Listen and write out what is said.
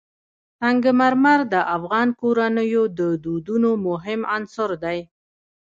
سنگ مرمر د افغان کورنیو د دودونو مهم عنصر دی.